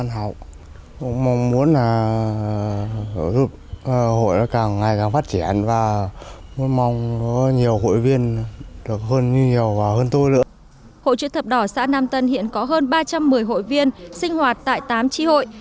hội chữ thập đỏ xã nam tân hiện có hơn ba trăm một mươi hội viên sinh hoạt tại tám tri hội